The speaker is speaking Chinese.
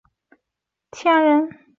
赵谦人。